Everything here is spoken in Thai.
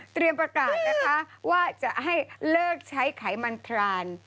ประกาศนะคะว่าจะให้เลิกใช้ไขมันทราน